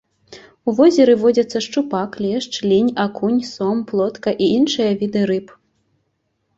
У возеры водзяцца шчупак, лешч, лінь, акунь, сом, плотка і іншыя віды рыб.